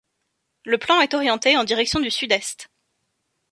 Le plan est orienté en direction du sud-est.